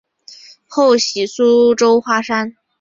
后徙苏州花山。